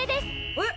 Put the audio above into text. えっ？